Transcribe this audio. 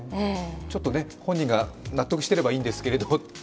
本人が納得してればいいんですけど。